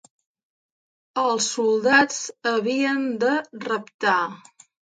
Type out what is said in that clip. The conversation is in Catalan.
Els soldats havien de reptar.